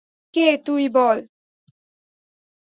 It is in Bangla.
কে তুই বল?